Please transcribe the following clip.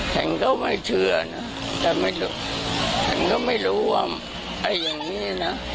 ฉันก็ไม่เชื่อนะฉันก็ไม่รู้ว่าไอ้อย่างนี้นะ